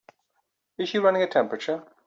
Is she running a temperature?